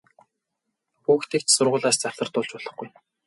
Хүүхдийг ч сургуулиас завсардуулж болохгүй!